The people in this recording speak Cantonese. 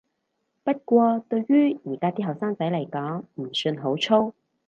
不過對於而家啲後生仔來講唔算好粗